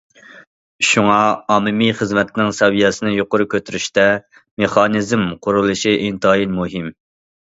شۇڭا، ئاممىۋى خىزمەتنىڭ سەۋىيەسىنى يۇقىرى كۆتۈرۈشتە، مېخانىزم قۇرۇلۇشى ئىنتايىن مۇھىم.